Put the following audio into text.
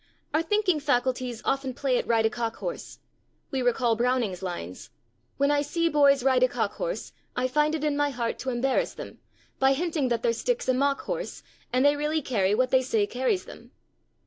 Our thinking faculties often play at ride a cock horse. We recall Browning's lines: When I see boys ride a cock horse, I find it in my heart to embarrass them By hinting that their stick's a mock horse, And they really carry what they say carries them.